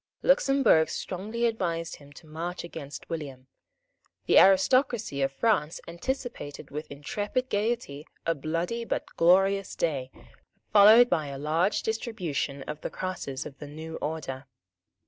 Luxemburg strongly advised him to march against William. The aristocracy of France anticipated with intrepid gaiety a bloody but a glorious day, followed by a large distribution of the crosses of the new order.